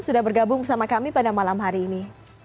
sudah bergabung pada malam hari ini